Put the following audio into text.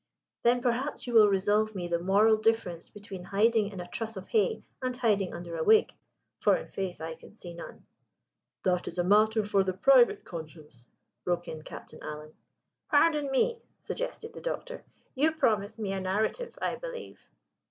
"Then perhaps you will resolve me the moral difference between hiding in a truss of hay and hiding under a wig? For, in faith, I can see none." "That is matter for the private conscience," broke in Captain Alan. "Pardon me," suggested the Doctor; "you promised me a narrative, I believe."